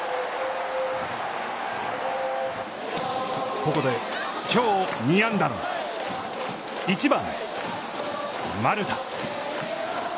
ここできょう２安打の１番丸田。